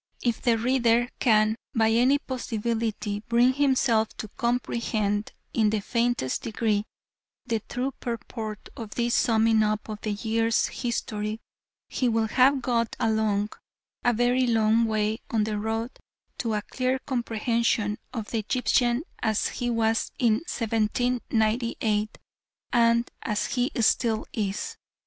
If the reader can by any possibility bring himself to comprehend in the faintest degree the true purport of this summing up of the year's history he will have got a long, a very long, way on the road to a clear comprehension of the Egyptian as he was in 1798, and as he still is.